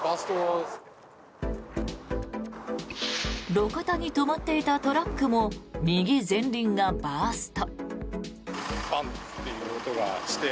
路肩に止まっていたトラックも右前輪がバースト。